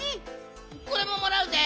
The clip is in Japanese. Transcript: これももらうぜ！